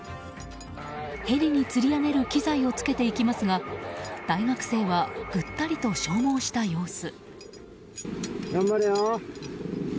ヘリにつり上げる機材をつけていきますが大学生はぐったりと消耗した様子。